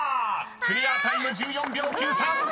［クリアタイム１４秒９３！］